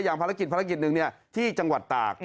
ภารกิจภารกิจหนึ่งที่จังหวัดตาก